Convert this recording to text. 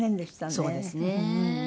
そうですね。